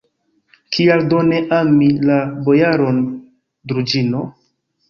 Kial do ne ami la bojaron Druĵino?